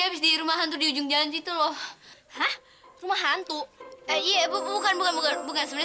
habis di rumah hantu di ujung jalan situ loh hah rumah hantu iya bukan bukan bukan bukan sebenarnya